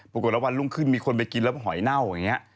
ปกติรักษ์วันลุ่งขึ้นมีคนไปกินแล้วจะหอยเน่าอย่างนี้